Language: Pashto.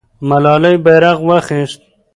ملالۍ بیرغ واخیست.